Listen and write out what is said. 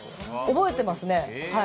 覚えてますね。